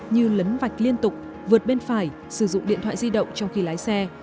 như lấn vạch liên tục vượt bên phải sử dụng điện thoại di động trong khi lái xe